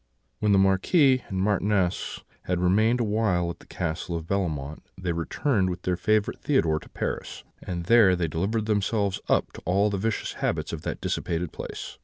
"When the Marquis and Marchioness had remained a while at the Castle of Bellemont, they returned with their favourite Theodore to Paris; and there they delivered themselves up to all the vicious habits of that dissipated place.